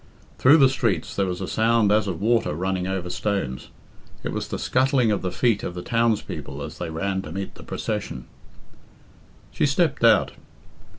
Through the streets there was a sound as of water running over stones. It was the scuttling of the feet of the townspeople as they ran to meet the procession. She stepped out.